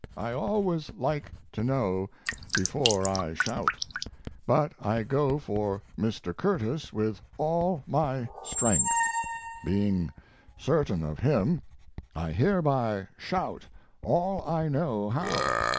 I always like to know before I shout. But I go for Mr. Curtis with all my strength! Being certain of him, I hereby shout all I know how.